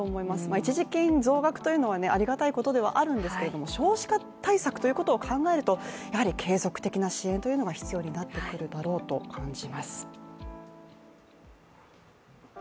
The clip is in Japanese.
一時金増額というのはありがたいことではあると思うんですけれども少子化対策ということを考えると継続的な支援というのが必要になってくるんだろうと感じます。